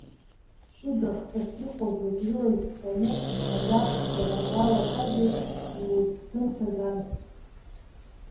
Шәыга хкыс иҟоу зегьрыла иқәҵаны ажәа ԥшӡала уалацәажәоит иузсымҭаз анасыԥ.